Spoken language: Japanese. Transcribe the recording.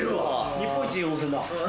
日本一いい温泉だ。